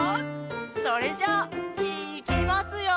それじゃいきますよ！